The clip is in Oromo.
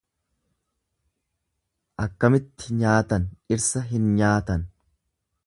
Akkamitti nyaatan dhirsa hin nyaatan.